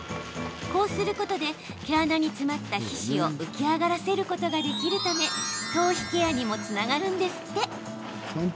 こうすることで毛穴に詰まった皮脂を浮き上がらせることができるため頭皮ケアにもつながるんですって。